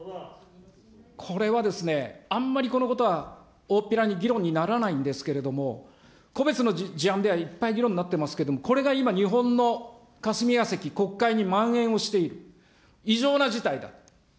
これはですね、あんまり、このことは大っぴらに議論にならないんですけれども、個別の事案ではいっぱい議論になっていますけれども、これが今、日本の霞が関、国会にまん延をしている、異常な事態だと。